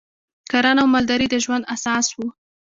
کرنه او مالداري د ژوند اساس و